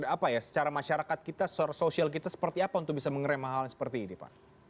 apa ya secara masyarakat kita sosial kita seperti apa untuk bisa mengerem hal hal seperti ini pak